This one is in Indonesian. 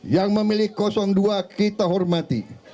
yang memilih dua kita hormati